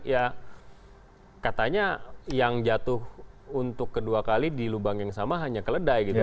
ya katanya yang jatuh untuk kedua kali di lubang yang sama hanya keledai gitu ya